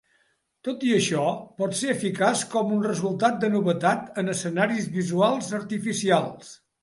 Tot i això, pot ser eficaç com un resultat de novetat en escenaris visuals artificials.